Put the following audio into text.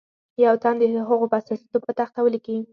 یو تن دې د هغو په استازیتوب په تخته ولیکي.